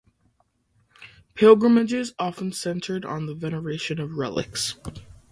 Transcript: Pilgrimages often centered on the veneration of relics.